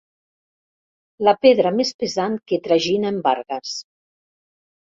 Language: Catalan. La pedra més pesant que tragina en Vargas.